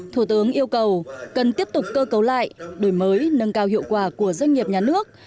thủ tướng yêu cầu cần tiếp tục cơ cấu lại đổi mới nâng cao hiệu quả của doanh nghiệp nhà nước